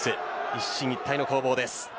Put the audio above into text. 一進一退の攻防です。